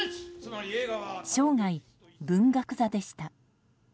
生涯、文学座でした。